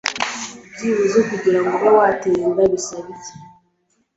Byibuze kugirango ube watera inda bisaba iki